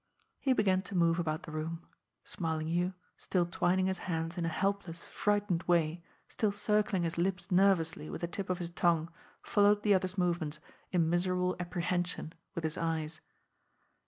He began to move about the room. Smarlinghue, still twining his hands in a helpless, frightened way, still circling his lips nervously with the tip of his tongue, followed the other's movements in miserable apprehension with his eyes.